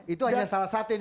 itu hanya salah satu yang